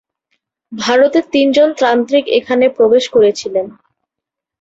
ভারতের তিনজন তান্ত্রিক এখানে প্রবেশ করেছিলেন।